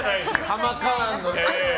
ハマカーン？